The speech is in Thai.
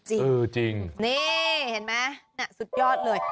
นี่เห็นไหมสุดยอดเลย